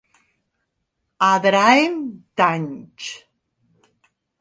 A Adraén, tanys.